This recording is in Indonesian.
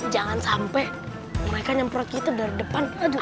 jangan sampai mereka nyampur lagi itu dari depan atas belakang